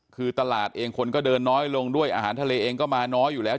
คือตลาดเองคนก็เดินน้อยลงด้วยอาหารทะเลเองก็มาน้อยอยู่แล้ว